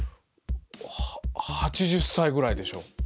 ８０歳ぐらいでしょ。